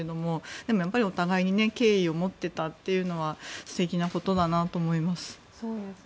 でもお互いに敬意を持ってたというのは素敵なことだなと思います。